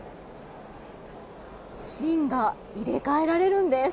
芯が入れ替えられるんです。